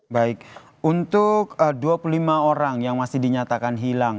baik untuk dua puluh lima orang yang masih dinyatakan hilang